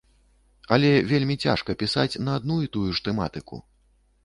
Але вельмі цяжка пісаць на адну і тую ж тэматыку.